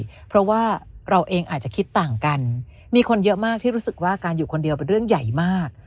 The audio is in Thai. เพราะว่าเราเองอาจจะคิดต่างกันมีคนเยอะมากที่รู้สึกว่าการอยู่คนเดียวเป็นเรื่องใหญ่มาก